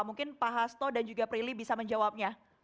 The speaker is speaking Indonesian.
mungkin pak hasto dan juga prilly bisa menjawabnya